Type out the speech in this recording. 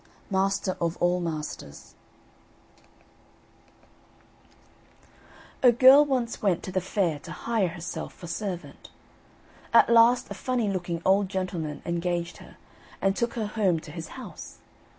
MASTER OF ALL MASTERS A girl once went to the fair to hire herself for servant. At last a funny looking old gentleman engaged her, and took her home to his house.